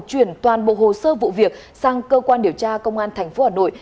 chuyển toàn bộ hồ sơ vụ việc sang cơ quan điều tra công an tp hà nội